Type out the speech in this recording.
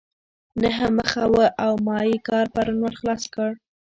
نهه مخه وه او ما ئې کار پرون ور خلاص کړ.